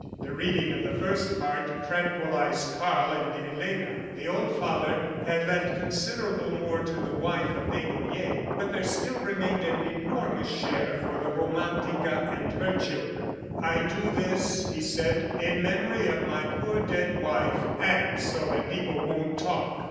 The reading of the first part tranquilized Karl and Elena. The old father had left considerable more to the wife of Desnoyers, but there still remained an enormous share for the Romantica and her children. "I do this," he said, "in memory of my poor dead wife, and so that people won't talk."